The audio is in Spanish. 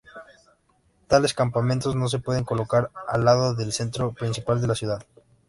Tales campamentos no se pueden colocar al lado del centro principal de la ciudad.